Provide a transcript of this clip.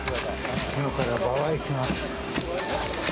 今から馬場行きます。